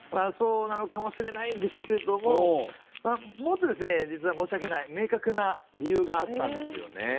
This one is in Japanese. そうなのかもしれないんですけれどももっとですね実は申し訳ない明確な理由があったんですよね。